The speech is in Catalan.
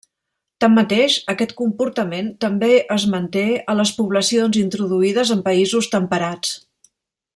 Tanmateix, aquest comportament també es manté a les poblacions introduïdes en països temperats.